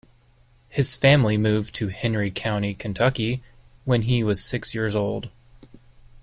His family moved to Henry County, Kentucky, when he was six years old.